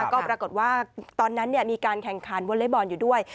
ก็ปรากฏว่าตอนนั้นมีการแข่งขันวอเล็กบอลอยู่ด้วย